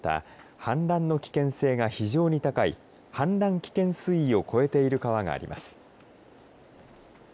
また、氾濫の危険性が非常に高い氾濫危険水位を超えている川があります。